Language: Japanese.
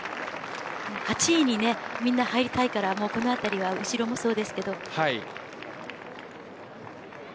８位にみんな入りたいからこのあたりは後ろもそうですけど。